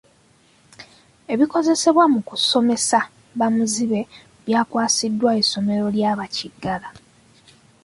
Ebikozesebwa mu kusomesa bamuzibe byakwasiddwa essomero lya bakiggala.